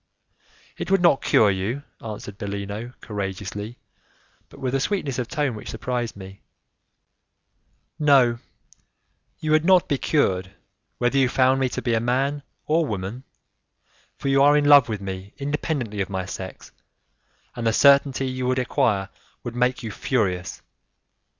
"It would not cure you," answered Bellino, courageously, but with a sweetness of tone which surprised me; "no, you would not be cured, whether you found me to be man or woman, for you are in love with me independently of my sex, and the certainty you would acquire would make you furious.